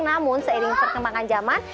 namun seiring perkembangan zaman